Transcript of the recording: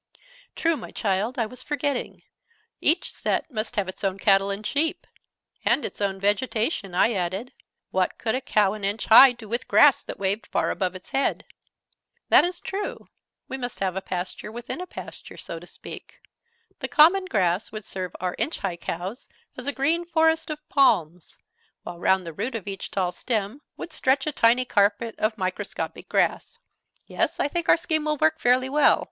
"True, my child, I was forgetting. Each set must have its own cattle and sheep." "And its own vegetation," I added. "What could a cow, an inch high, do with grass that waved far above its head?" "That is true. We must have a pasture within a pasture, so to speak. The common grass would serve our inch high cows as a green forest of palms, while round the root of each tall stem would stretch a tiny carpet of microscopic grass. Yes, I think our scheme will work fairly well.